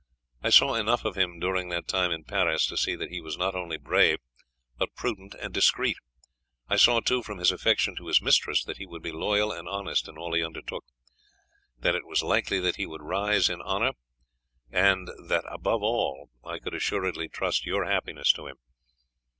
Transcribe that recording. I saw enough of him during that time in Paris to see that he was not only brave, but prudent and discreet. I saw, too, from his affection to his mistress, that he would be loyal and honest in all he undertook, that it was likely that he would rise to honour, and that above all I could assuredly trust your happiness to him.